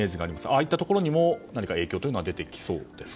ああいったところにも影響は出てきそうですか？